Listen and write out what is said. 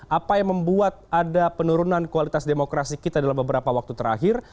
apa yang membuat ada penurunan kualitas demokrasi kita dalam beberapa waktu terakhir